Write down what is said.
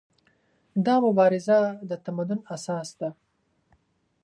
دا مبارزه د تمدن اساس ده.